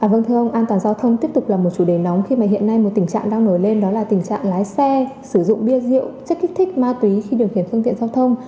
vâng thưa ông an toàn giao thông tiếp tục là một chủ đề nóng khi mà hiện nay một tình trạng đang nổi lên đó là tình trạng lái xe sử dụng bia rượu chất kích thích ma túy khi điều khiển phương tiện giao thông